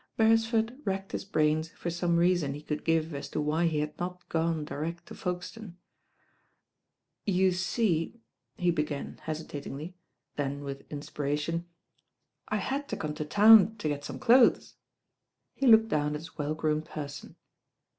Bcresford racked his brains for some reason he could give as to why he had not gone direct to Folke stone. "You see" he began hesitatingly, then with in Tit u xl ^""^*°'°"»^'°^°^"^° get some clothes. He looked down at his well groomed per son.